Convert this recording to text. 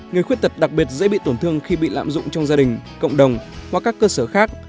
người khuyết tật đặc biệt dễ bị tổn thương khi bị lạm dụng trong gia đình cộng đồng hoặc các cơ sở khác